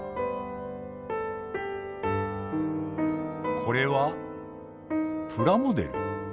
これはプラモデル？